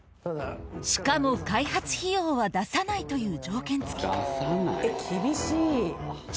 しかも開発費用は出さないという条件付き。